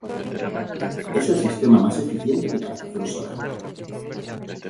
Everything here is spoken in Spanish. Es el sistema más eficiente de captación solar.